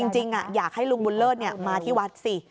จริงอยากให้ลุงบุญเลิศมาที่วัดสิ